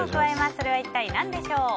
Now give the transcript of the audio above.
それは一体何でしょう。